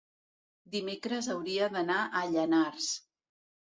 dimecres hauria d'anar a Llanars.